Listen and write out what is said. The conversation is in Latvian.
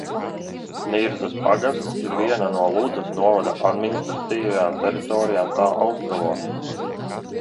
Nirzas pagasts ir viena no Ludzas novada administratīvajām teritorijām tā austrumos.